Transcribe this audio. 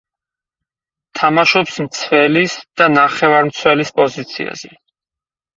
თამაშობს მცველის და ნახევარმცველის პოზიციაზე.